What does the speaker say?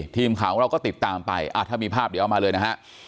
ทีมข่าวของเราก็ติดตามไปถ้ามีภาพเดี๋ยวเอามาเลยนะฮะ